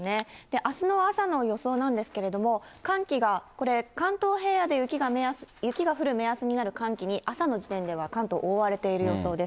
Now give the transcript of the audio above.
あすの朝の予想なんですけれども、寒気が、これ、関東平野で雪が降る目安になる寒気に朝の時点では、関東、覆われている予想です。